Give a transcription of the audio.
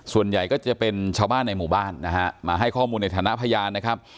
ส่วนใหญ่ก็จะเป็นชาวบ้านในหมู่บ้านนะฮะมาให้ข้อมูลในฐานะพยานนะครับ